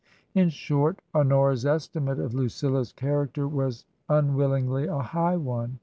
In short, Honora's estimate of Lucilla's character was unwillingly a high one.